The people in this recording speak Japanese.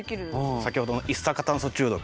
先ほどの一酸化炭素中毒。